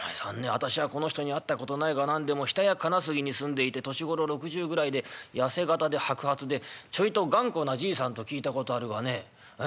私はこの人に会ったことないが何でも下谷金杉に住んでいて年頃６０ぐらいで痩せ形で白髪でちょいと頑固なじいさんと聞いたことあるがねええ